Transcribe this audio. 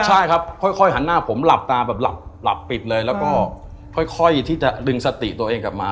ใช่ครับค่อยหันหน้าผมหลับตาแบบหลับปิดเลยแล้วก็ค่อยที่จะดึงสติตัวเองกลับมา